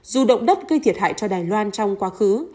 dù động đất gây thiệt hại cho đài loan trong quá khứ